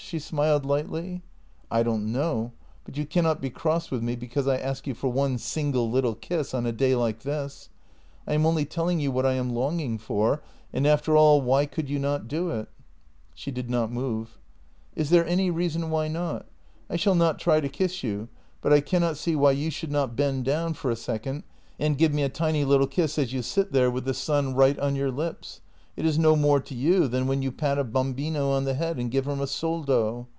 '" She smiled lightly. " I don't know — but you cannot be cross with me because I ask you for one single little kiss — on a day like this. I am only telling you what I am longing for, and, after all, why could you not do it ?" She did not move. " Is there any reason why not? — I shall not try to kiss you, but I cannot see why you should not bend down for a second and give me a tiny little kiss as you sit there with the sun right on your lips. It is no more to you than when you pat a bam bino on the head and give him a soldo.